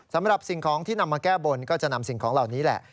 สำหรับสิ่งของที่นำมาแก้บนก็จะนำสิ่งของเหล่านี้แหละ